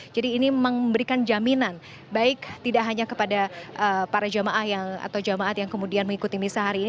jadi ini memberikan jaminan baik tidak hanya kepada para jamaah atau jamaat yang kemudian mengikuti misa hari ini